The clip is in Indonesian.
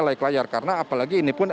laik layar karena apalagi ini pun